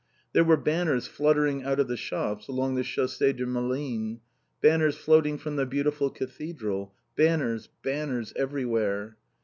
There were banners fluttering out of the shops along the Chaussée de Malines, banners floating from the beautiful cathedral, banners, banners, everywhere.